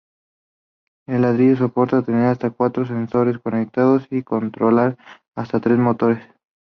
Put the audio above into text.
El ladrillo soporta tener hasta cuatro sensores conectados y controlar hasta tres motores.